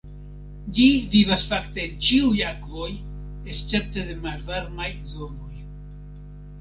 Ĝi vivas fakte en ĉiuj akvoj, escepte de malvarmaj zonoj.